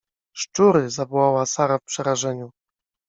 — Szczury! — zawołała Sara w przerażeniu.